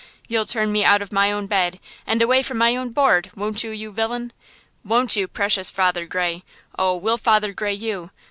You'll turn me out of my own bed and away from my own board, won't you, you villain? Won't you, precious Father Grey? Oh, we'll Father Grey you!